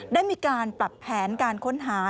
ได้มีการปรับแผนการค้นหา